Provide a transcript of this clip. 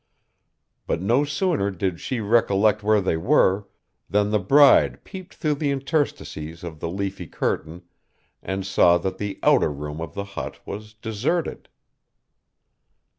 But no sooner did she recollect where they were, than the bride peeped through the interstices of the leafy curtain, and saw that the outer room of the hut was deserted.